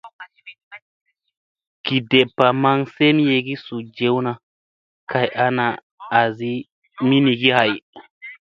Gi deppa maŋ semyegii suu jewna kay ana asi minigi hay.